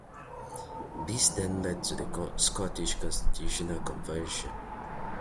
This then led to the Scottish Constitutional Convention.